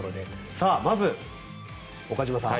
さあ、まず岡島さん